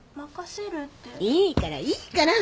いいからいいから。